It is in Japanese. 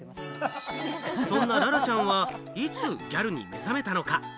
そんな、ららちゃんは、いつギャルに目覚めたのか？